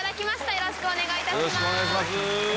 よろしくお願いします。